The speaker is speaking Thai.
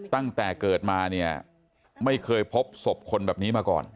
ตั้งแต่เกิดมาเนี่ยไม่เคยพบศพคนแบบนี้มาก่อน